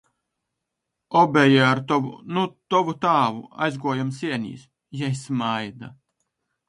Obeji ar tovu, nu, tovu tāvu aizguojom sienīs. Jei smaida.